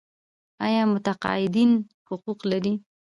آیا متقاعدین حقوق لري؟